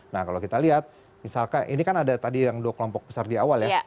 nah kalau kita lihat misalkan ini kan ada tadi yang dua kelompok besar di awal ya